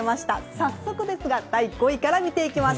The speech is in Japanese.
早速ですが第５位から見ていきます。